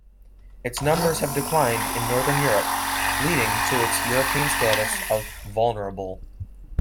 Its numbers have declined in Northern Europe, leading to its European status of "vulnerable".